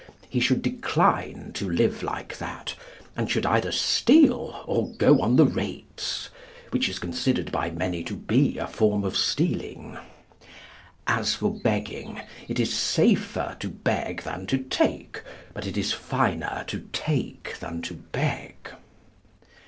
He should decline to live like that, and should either steal or go on the rates, which is considered by many to be a form of stealing. As for begging, it is safer to beg than to take, but it is finer to take than to beg.